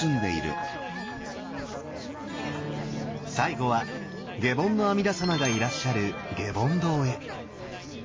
最後は下品の阿弥陀様がいらっしゃる下品堂へ。